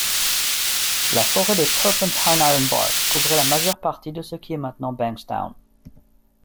La forêt de Turpentine-Ironbark couvrait la majeure partie de ce qui est maintenant Bankstown.